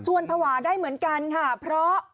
ส่วนภาวะได้เหมือนกันค่ะเพราะ